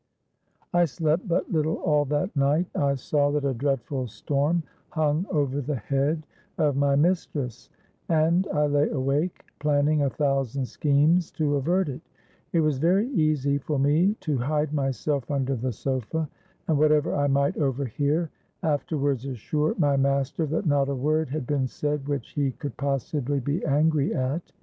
"I slept but little all that night. I saw that a dreadful storm hung over the head of my mistress; and I lay awake, planning a thousand schemes to avert it. It was very easy for me to hide myself under the sofa; and, whatever I might overhear, afterwards assure my master that not a word had been said which he could possibly be angry at.